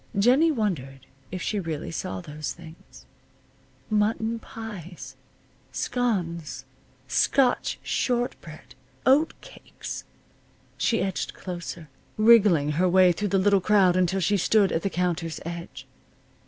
Jennie wondered if she really saw those things. Mutton pies! Scones! Scotch short bread! Oat cakes! She edged closer, wriggling her way through the little crowd until she stood at the counter's edge.